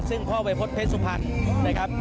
ซึ่งพ่อวัยพนิ์เผสุพรรณ